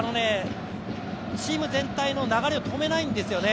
チーム全体の流れを止めないんですよね。